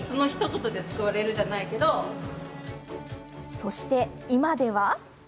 そして今では。